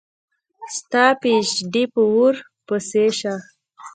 ستا پي ایچ ډي په اوور پسي شه